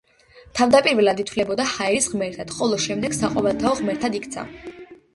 თავდაპირველად ითვლებოდა ჰაერის ღმერთად, ხოლო შემდეგ საყოველთაო ღმერთად იქცა.